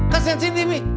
kasian cindy mi